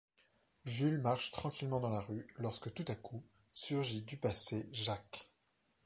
Jules marche tranquillement dans la rue, lorsque tout à coup, surgit du passé Jacques.